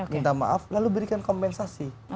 minta maaf lalu berikan kompensasi